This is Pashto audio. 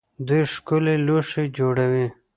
دوی ښکلي لوښي جوړوي.